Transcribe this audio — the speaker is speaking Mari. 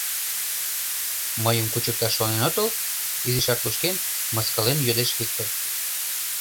Мыйым кучыкташ шонен отыл? — изишак лушкен, мыскылен йодеш Виктыр.